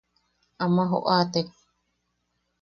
Ama joʼatek.